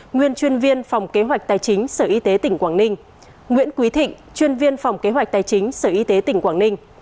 nguyên chuyên viên phòng kế hoạch tài chính sở y tế tỉnh quảng ninh nguyễn quý thịnh chuyên viên phòng kế hoạch tài chính sở y tế tỉnh quảng ninh